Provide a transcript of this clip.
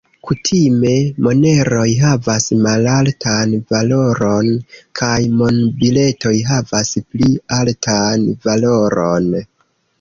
Kutime, moneroj havas malaltan valoron kaj monbiletoj havas pli altan valoron.